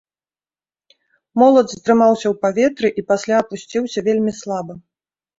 Молат затрымаўся ў паветры і пасля апусціўся вельмі слаба.